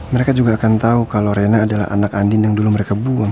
mereka juga akan tahu kalau rena adalah anak andin yang dulu mereka buang